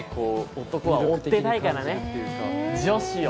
男は追ってたいからね女子を。